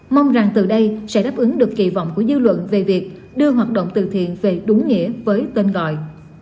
mong rằng từ đây sẽ đáp ứng được kỳ vọng của dư luận về việc đưa hoạt động từ thiện về đúng nghĩa với tên gọi